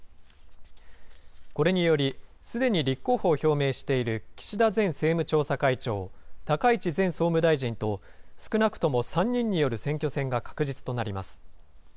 これにより、すでに立候補を表明している岸田前政務調査会長、高市前総務大臣と、少なくとも３人による選挙戦が確実となります。